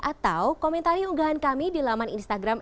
atau komentari unggahan kami di laman instagram